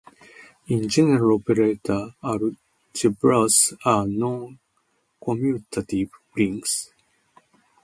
In general operator algebras are non-commutative rings.